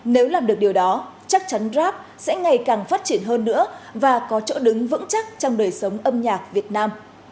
nếu làm được điều đó chắc chắn grab sẽ ngày càng phát triển hơn nữa và có chỗ đứng vững chắc trong đời sống âm nhạc việt nam